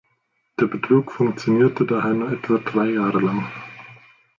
Der Betrug funktionierte daher nur etwa drei Jahre lang.